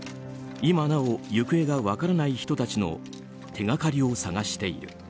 今なお行方が分からない人の手がかりを探している。